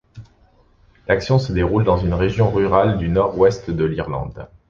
L'action se déroule dans une région rurale du Nord-Ouest de l'Irlande.